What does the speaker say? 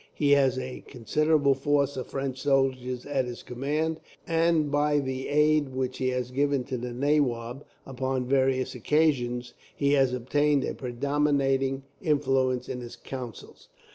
He has a considerable force of French soldiers at his command, and by the aid which he has given to the nawab, upon various occasions, he has obtained a predominating influence in his councils.